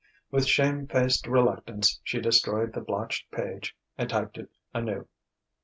With shame faced reluctance she destroyed the blotched page and typed it anew.